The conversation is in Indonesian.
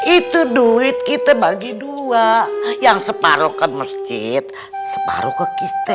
itu duit kita bagi dua yang separuh ke masjid separuh ke kita